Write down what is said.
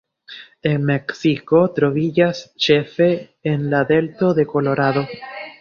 En Meksiko troviĝas ĉefe en la delto de Kolorado.